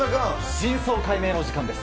真相解明のお時間です。